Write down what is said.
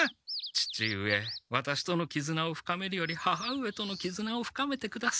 父上ワタシとのきずなを深めるより母上とのきずなを深めてください。